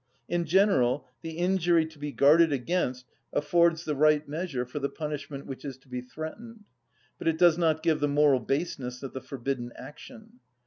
In general the injury to be guarded against affords the right measure for the punishment which is to be threatened, but it does not give the moral baseness of the forbidden action.